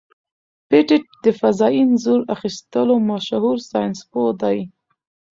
پېټټ د فضايي انځور اخیستلو مشهور ساینسپوه دی.